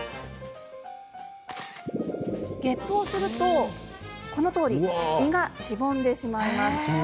げっぷをすると、このとおり胃がしぼんでしまいます。